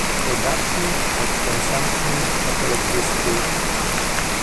Production and Consumption of electricity.